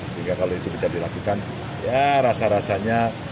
sehingga kalau itu bisa di lakukan ya rasa rasanya